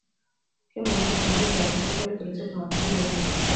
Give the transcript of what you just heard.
gukemura inzitizi zavuka biturutse ku makimbirane